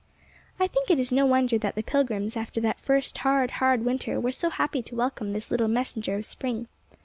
'' I think it is no wonder that the Pilgrims, after that first hard, hard winter, were so happy to welcome this little messenger of spring.